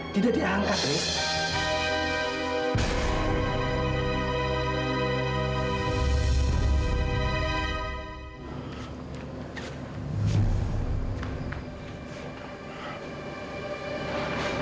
tidak diangkat mila